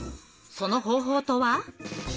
その方法とは？